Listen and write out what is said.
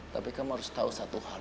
tapi kamu harus tahu satu hal